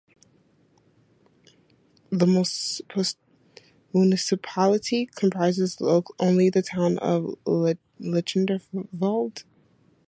The municipality comprises only the town of Lichtervelde.